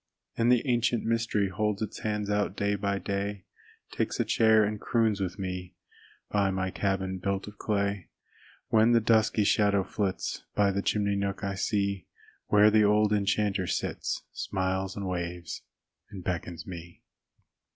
And the ancient mystery Holds its hands out day by day, Takes a chair and croons with me By my cabin built of clay. When the dusky shadow flits, By the chimney nook I see Where the old enchanter sits, Smiles and waves and beckons me.